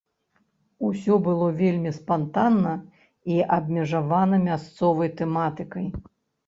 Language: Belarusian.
Усё было вельмі спантанна і абмежавана мясцовай тэматыкай.